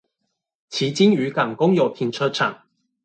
旗津漁港公有停車場